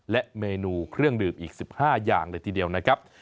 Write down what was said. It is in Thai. และเมนูเครื่องดื่มอีก๑๕อย่างเลยทีเดียวนะครับ